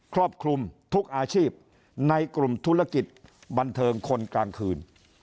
ครอบคลุมทุกอาชีพในกลุ่มธุรกิจบันเทิงคนกลางคืน